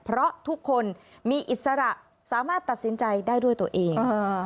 เพราะทุกคนมีอิสระสามารถตัดสินใจได้ด้วยตัวเอง